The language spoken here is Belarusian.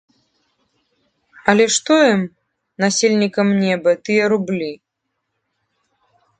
Але што ім, насельнікам неба, тыя рублі.